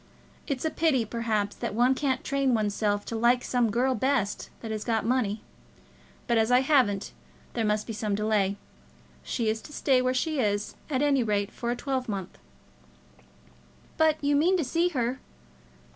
It's a pity, perhaps, that one can't train one's self to like some girl best that has got money; but as I haven't, there must be some delay. She is to stay where she is, at any rate, for a twelvemonth." "But you mean to see her?"